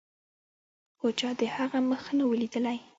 خو چا د هغه مخ نه و لیدلی.